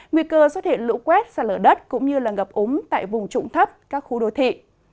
nguy cơ xuất hiện lũ quét xa lở đất cũng như ngập ống tại vùng trụng thấp các khu đô thị